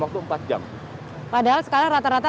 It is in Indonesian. waktu empat jam padahal sekarang rata rata